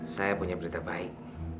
saya punya berita baik